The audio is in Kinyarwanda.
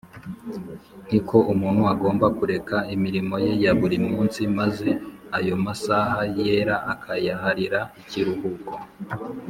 niko umuntu agomba kureka imirimo ye ya buri munsi maze ayo masaha yera akayaharira ikiruhuko